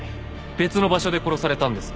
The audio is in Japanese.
別の場所で殺されたんです。